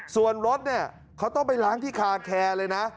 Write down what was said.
ส่วนรถเนี่ยเขาต้องไปล้างที่คาแคร์เลยนะ